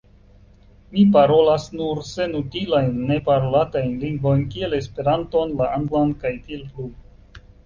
Mi parolas nur senutilajn, neparolatajn lingvojn kiel Esperanton, la anglan, kaj tiel plu.